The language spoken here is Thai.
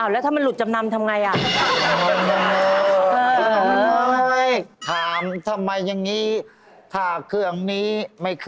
แล้วถ้ามันหลุดจำนำทำไง